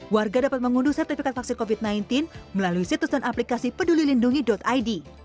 warga dapat mengunduh sertifikat vaksin covid sembilan belas melalui situs dan aplikasi pedulilindungi id